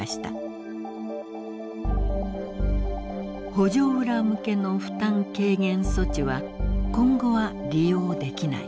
「補助裏向けの負担軽減措置は今後は利用できない」。